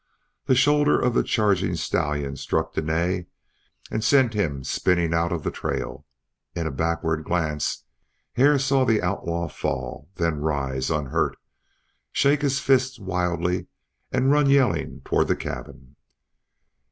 The shoulder of the charging stallion struck Dene and sent him spinning out of the trail. In a backward glance Hare saw the outlaw fall, then rise unhurt to shake his fists wildly and to run yelling toward the cabin.